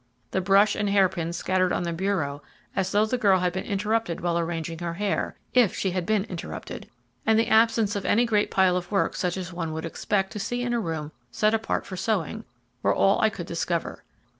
the brush and hairpins scattered on the bureau as though the girl had been interrupted while arranging her hair (if she had been interrupted); and the absence of any great pile of work such as one would expect to see in a room set apart for sewing, were all I could discover.